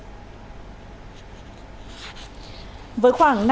với khoảng năm doanh nghiệp hiện nay